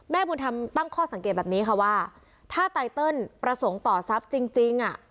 บุญธรรมตั้งข้อสังเกตแบบนี้ค่ะว่าถ้าไตเติลประสงค์ต่อทรัพย์จริง